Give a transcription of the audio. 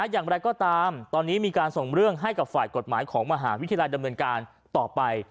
อย่างไรก็ตามตอนนี้มีการส่งเรื่องให้กับฝ่ายกฎหมายของมหาวิทยาลัยดำเนินการต่อไป